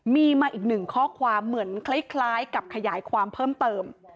มีมาอีกหนึ่งข้อความเหมือนคล้ายกับขยายความเพิ่มเติม